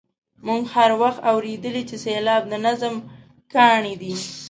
موږ هر وخت اورېدلي چې سېلاب د نظم کاڼی دی.